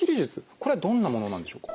これはどんなものなんでしょうか？